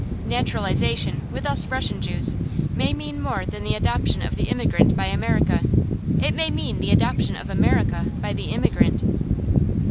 Naturalization, with us Russian Jews, may mean more than the adoption of the immigrant by America. It may mean the adoption of America by the immigrant.